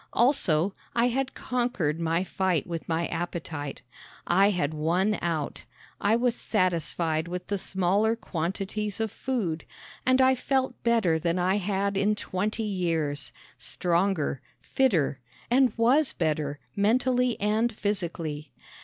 Also, I had conquered my fight with my appetite. I had won out. I was satisfied with the smaller quantities of food and I felt better than I had in twenty years stronger, fitter and was better, mentally and physically.